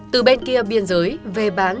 từ bên kia biên giới về bán